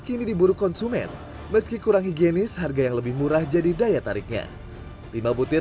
kini diburu konsumen meski kurang higienis harga yang lebih murah jadi daya tariknya lima butir